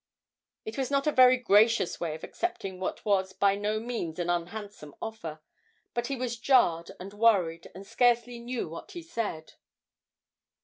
It was not a very gracious way of accepting what was by no means an unhandsome offer; but he was jarred and worried, and scarcely knew what he said.